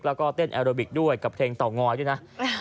แล้วก็เต้นแอโรบิกด้วยกับเพลงเตางอยด้วยนะ